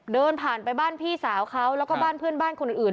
เดินผ่านไปบ้านพี่สาวเขาแล้วก็บ้านเพื่อนบ้านคนอื่น